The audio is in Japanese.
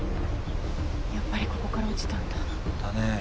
やっぱりここから落ちたんだ。だね。